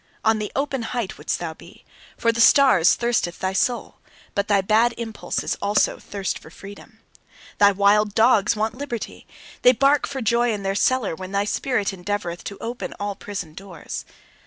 On the open height wouldst thou be; for the stars thirsteth thy soul. But thy bad impulses also thirst for freedom. Thy wild dogs want liberty; they bark for joy in their cellar when thy spirit endeavoureth to open all prison doors.